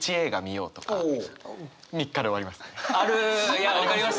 いや分かります